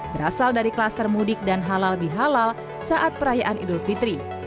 berasal dari kluster mudik dan halal bihalal saat perayaan idul fitri